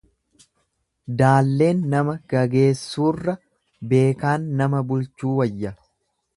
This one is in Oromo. Daalleen nama gageessuurra beekaan nama bulchuu wayya.